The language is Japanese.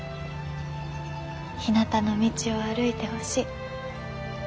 ひなたの道を歩いてほしい。